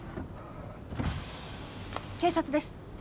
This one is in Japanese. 警察です